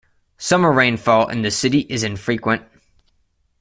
Summer rainfall in the city is infrequent.